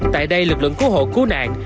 tại đây lực lượng cứu hộ cứu nạn